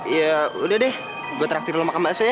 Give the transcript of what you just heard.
ya udah deh gue traktir dulu makan basuh ya